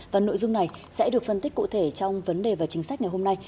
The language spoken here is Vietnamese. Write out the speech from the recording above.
và nội dung này sẽ được phân tích cụ thể trong vấn đề và chính sách ngày hôm nay